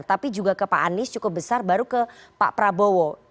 tapi juga ke pak anies cukup besar baru ke pak prabowo